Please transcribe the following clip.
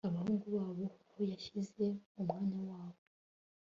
abahungu babo uhoraho yashyize mu mwanya wabo